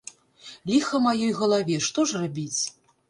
Ліха маёй галаве, што ж рабіць?